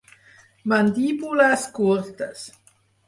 Mandíbules curtes.